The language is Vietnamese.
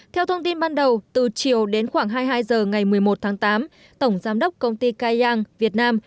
theo thông tin ban đầu từ chiều đến khoảng hai mươi hai h ngày một mươi một tháng tám tổng giám đốc công ty cai giang việt nam